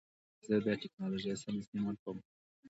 زه د ټکنالوژۍ سم استعمال کوم.